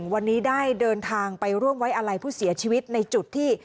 วันนี้ได้เดินทางไปร่วมไว้อะไรผู้เสียชีวิตในจุดที่